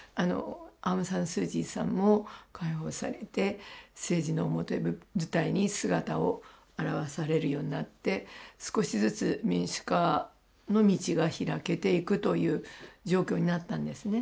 アウン・サン・スー・チーさんも解放されて政治の表舞台に姿を現されるようになって少しずつ民主化の道が開けていくという状況になったんですね。